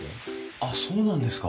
あっそうなんですか。